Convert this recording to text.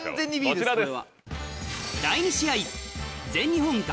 こちらです。